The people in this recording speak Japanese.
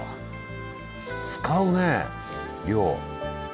使うね量。